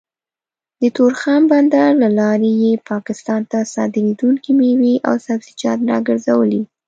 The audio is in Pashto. د تورخم بندر له لارې يې پاکستان ته صادرېدونکې مېوې او سبزيجات راګرځولي